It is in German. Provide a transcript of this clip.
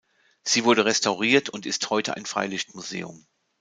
Sie wurde restauriert und ist heute ein Freilichtmuseum.